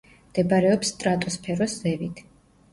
მდებარეობს სტრატოსფეროს ზევით.